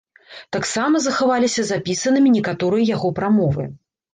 Таксама захаваліся запісанымі некаторыя яго прамовы.